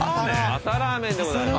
朝ラーメンでございます。